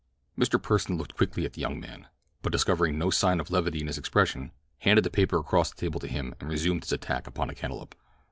Mr. Pursen looked quickly at the young man, but discovering no sign of levity in his expression, handed the paper across the table to him and resumed his attack upon the cantaloupe.